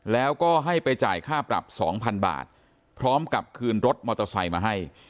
แล้วก็ให้ไปจ่ายค่าปรับ๒๐๐๐บาทพร้อมกับคืนรถมอเตอร์ไซค์มาให้